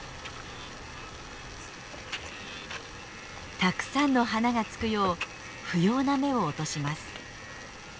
たくさんの花がつくよう不要な芽を落とします。